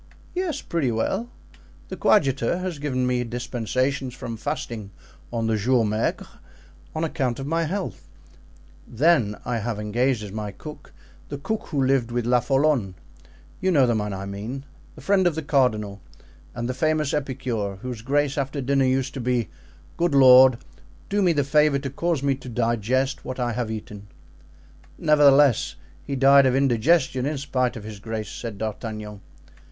"Yes, pretty well. The coadjutor has given me dispensations from fasting on the jours maigres, on account of my health; then I have engaged as my cook the cook who lived with Lafollone—you know the man I mean?—the friend of the cardinal, and the famous epicure whose grace after dinner used to be, 'Good Lord, do me the favor to cause me to digest what I have eaten.'" "Nevertheless he died of indigestion, in spite of his grace," said D'Artagnan.